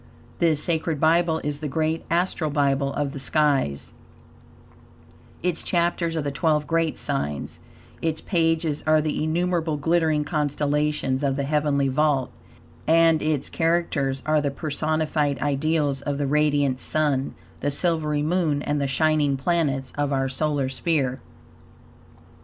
This sacred Bible is the great Astral Bible of the skies; its chapters are the twelve great signs, its pages are the innumerable glittering constellations of the heavenly vault, and its characters are the personified ideals of the radiant Sun, the silvery moon, and the shining planets, of our solar sphere.